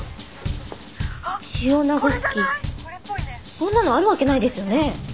そんなのあるわけないですよね？